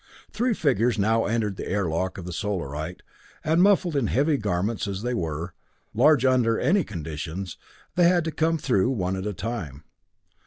Three figures now entered the airlock of the Solarite, and muffled in heavy garments as they were, large under any conditions, they had to come through one at a time.